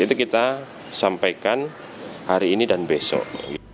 itu kita sampaikan hari ini dan besok